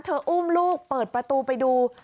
อุ้มลูกเปิดประตูไปดู